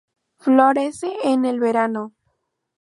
Florece en el verano.